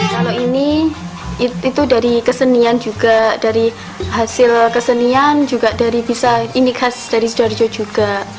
kalau ini itu dari kesenian juga dari hasil kesenian juga dari bisa ini khas dari sidoarjo juga